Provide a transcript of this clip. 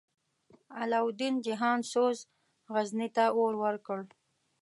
علاوالدین جهان سوز، غزني ته اور ورکړ.